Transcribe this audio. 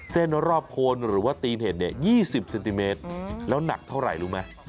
เส้นรอบโค้นหรือว่าตีนเห็ดเนี่ย๒๐เซนติเมตร